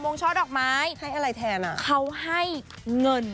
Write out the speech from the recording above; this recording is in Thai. งช้อดอกไม้ให้อะไรแทนอ่ะเขาให้เงิน